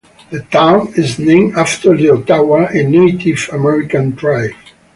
The town is named after the Ottawa, a Native American tribe.